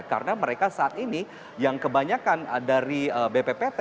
karena mereka saat ini yang kebanyakan dari bppt